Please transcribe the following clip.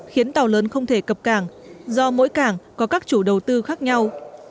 khiến tàu lớn không thể cập cảng do mỗi cảng có các chủ đầu tư khác nhau